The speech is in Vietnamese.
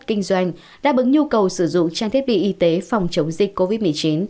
kinh doanh đáp ứng nhu cầu sử dụng trang thiết bị y tế phòng chống dịch covid một mươi chín